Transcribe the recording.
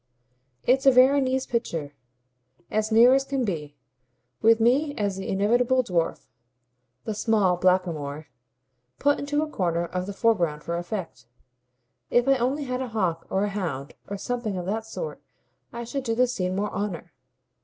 It's a Veronese picture, as near as can be with me as the inevitable dwarf, the small blackamoor, put into a corner of the foreground for effect. If I only had a hawk or a hound or something of that sort I should do the scene more honour.